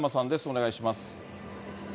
お願いします。